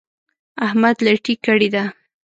احمد لټي کړې ده.